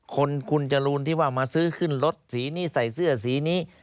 คนคุณจรูนที่ว่ามาซื้อขึ้นรถสีนี้ใส่เสื้อสีนี้